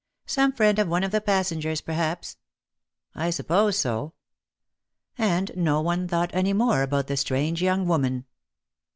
" Some friend of one of the passengers, perhaps." "I suppose so." And no one thought any more about the strange young woman.